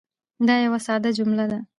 دا یوه ساده جمله ده.